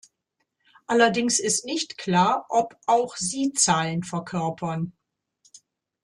Allerdings ist nicht klar, ob auch sie Zahlen verkörpern.